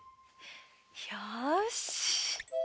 よし。